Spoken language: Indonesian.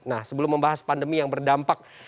nah sebelum membahas pandemi yang berdampak